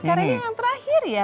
karena ini yang terakhir ya kak ya